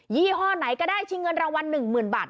ี่ห้อไหนก็ได้ชิงเงินรางวัล๑๐๐๐บาท